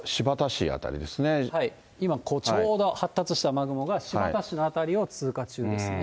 今、ここ、ちょうど発達した雨雲が新発田市の辺りを通過中ですね。